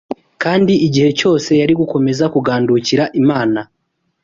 kandi igihe cyose yari gukomeza kugandukira Imana